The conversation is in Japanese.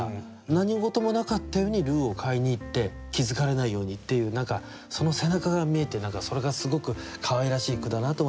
何事もなかったようにルーを買いに行って気付かれないようにっていう何かその背中が見えてそれがすごくかわいらしい句だなと思いましたけどね。